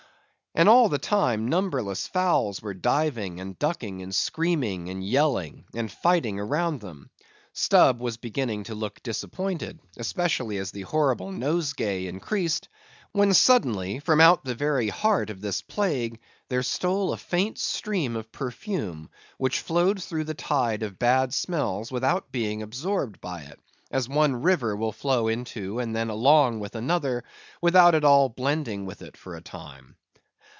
And all the time numberless fowls were diving, and ducking, and screaming, and yelling, and fighting around them. Stubb was beginning to look disappointed, especially as the horrible nosegay increased, when suddenly from out the very heart of this plague, there stole a faint stream of perfume, which flowed through the tide of bad smells without being absorbed by it, as one river will flow into and then along with another, without at all blending with it for a time.